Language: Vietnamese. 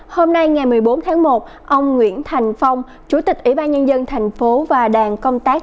hôm nay ngày một mươi bốn tháng một ông nguyễn thành phong chủ tịch ủy ban nhân dân thành phố và đoàn công tác